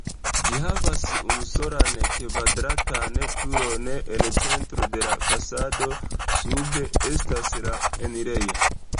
Ĝi havas unusolan kvadratan turon en centro de la fasado, sube estas la enirejo.